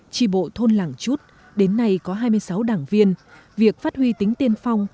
tri bộ thôn làng chút đến nay có hai mươi sáu đảng viên việc phát huy tính tiên phong